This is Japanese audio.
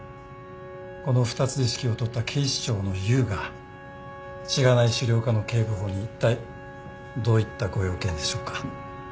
この２つで指揮を執った警視庁の雄がしがない資料課の警部補にいったいどういったご用件でしょうか？